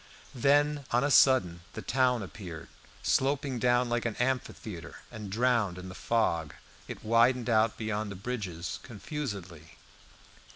Then on a sudden the town appeared. Sloping down like an amphitheatre, and drowned in the fog, it widened out beyond the bridges confusedly.